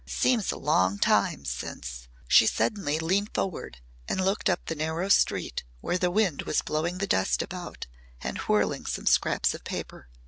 It seems a long time since " She suddenly leaned forward and looked up the narrow street where the wind was blowing the dust about and whirling some scraps of paper.